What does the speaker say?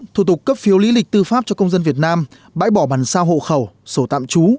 thủ tục cấp phiếu lý lịch tư pháp cho công dân việt nam bãi bỏ bàn sao hộ khẩu sổ tạm trú